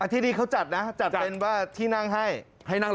ที่นี่เขาจัดนะที่นั่งให้ให้นั่งรอ